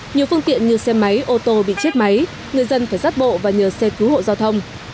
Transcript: nhiều phương tiện như xe máy ô tô bị chết máy người dân phải rắt bộ và nhờ xe cứu hộ giao thông